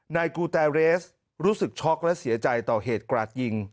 นายกูแตเรสรู้สึกช็อกและเสียใจต่อเหตุกราดยิง